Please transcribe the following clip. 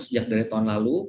sejak dari tahun lalu